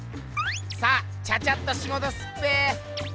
さあチャチャッとしごとすっぺえ。